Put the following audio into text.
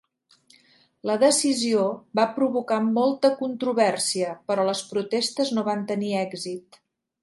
La decisió va provocar molta controvèrsia, però les protestes no van tenir èxit.